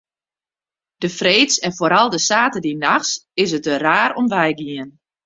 De freeds en foaral de saterdeitenachts is it der raar om wei gien.